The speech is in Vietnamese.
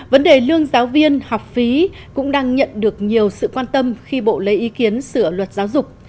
vấn đề lương giáo viên học phí cũng đang nhận được nhiều sự quan tâm khi bộ lấy ý kiến sửa luật giáo dục